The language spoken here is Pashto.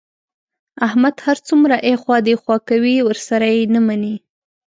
احمد هر څومره ایخوا دیخوا کوي، ورسره یې نه مني.